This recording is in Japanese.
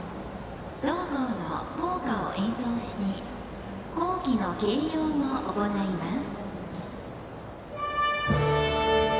同校の校歌を演奏して校旗の掲揚を行います。